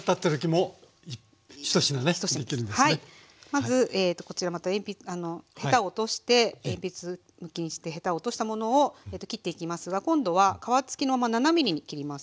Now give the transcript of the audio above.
まずこちらまたヘタを落として鉛筆むきにしてヘタを落としたものを切っていきますが今度は皮つきのまま７ｍｍに切ります。